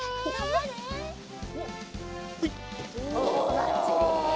ばっちり！